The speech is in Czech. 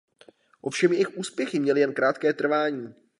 Ovšem jejich úspěchy měly jen krátké trvání.